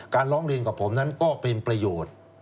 ร้องเรียนกับผมนั้นก็เป็นประโยชน์